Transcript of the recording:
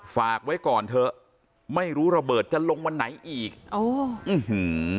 ฝากไว้ก่อนเถอะไม่รู้ระเบิดจะลงวันไหนอีกอ๋ออื้อหือ